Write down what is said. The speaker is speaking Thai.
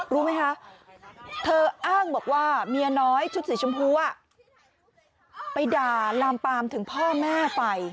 รู้ไหมคะเธออ้างบอกว่าเมียน้อยชุดสีชมพูไปด่าลามปามถึงพ่อแม่ไป